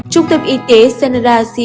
trung tâm y tế senada c